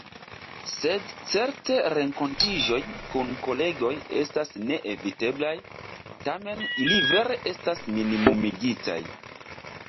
Sed certe renkontiĝoj kun kolegoj estas neeviteblaj, tamen ili vere estas minimumigitaj.